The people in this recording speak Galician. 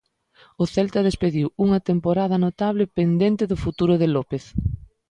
O Celta despediu unha temporada notable pendente do futuro de López.